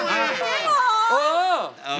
ใช่เหรอ